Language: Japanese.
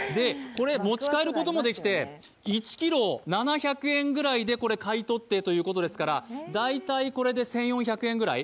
持ち帰ることもできて１ｋｇ７００円ぐらいで買い取ってということですから大体これで１４００円ぐらい。